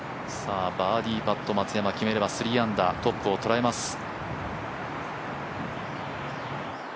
バーディーパット、松山決めれば３アンダートップを捉えます。